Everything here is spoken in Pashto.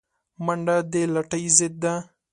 منډه د لټۍ ضد ده